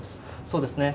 そうですね。